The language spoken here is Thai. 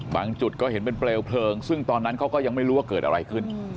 จุดก็เห็นเป็นเปลวเพลิงซึ่งตอนนั้นเขาก็ยังไม่รู้ว่าเกิดอะไรขึ้น